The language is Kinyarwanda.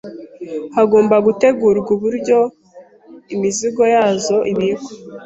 Hagomba gutegurwa uburyo imizigo yazo ibikwa